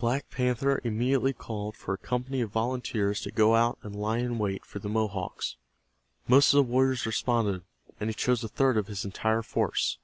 Black Panther immediately called for a company of volunteers to go out and lie in wait for the Mohawks. Most of the warriors responded, and he chose a third of his entire force.